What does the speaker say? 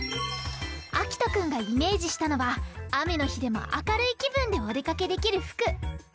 あきとくんがイメージしたのはあめのひでもあかるいきぶんでおでかけできるふく。